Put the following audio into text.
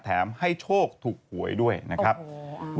แถมให้โชคถูกหวยด้วยนะครับ